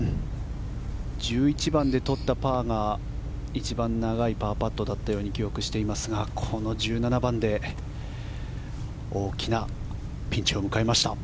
１１番で取ったパーが一番長いパーパットだったように記憶していますがこの１７番で大きなピンチを迎えました。